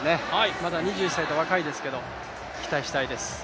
まだ２１歳と若いですけど期待したいです。